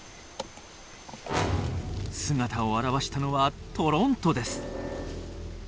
姿を現したのはトロントです。